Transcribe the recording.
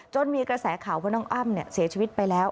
มีกระแสข่าวว่าน้องอ้ำเสียชีวิตไปแล้ว